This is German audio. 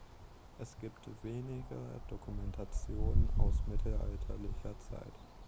Es gibt wenige Dokumentationen aus mittelalterlicher Zeit.